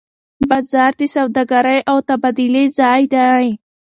بازار د سوداګرۍ او تبادلې ځای دی.